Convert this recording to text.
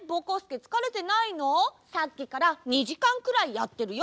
さっきから２じかんくらいやってるよ。